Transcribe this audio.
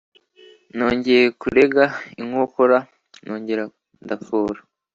Nongeye kurega inkokora nongera ndafora